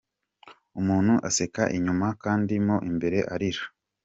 Umuntu aseka inyuma kandi mo imbere arira, .